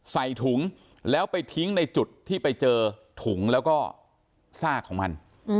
ใส่ถุงแล้วไปทิ้งในจุดที่ไปเจอถุงแล้วก็ซากของมัน